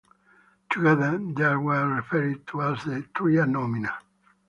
Together, these were referred to as the "tria nomina".